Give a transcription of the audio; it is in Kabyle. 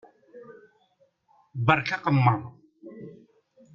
Berka aqemmeṛ!